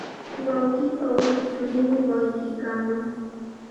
Wawqiipa ullqu churinmi wallkiykaaman.